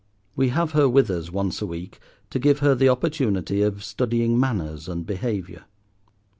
We have her with us once a week to give her the opportunity of studying manners and behaviour.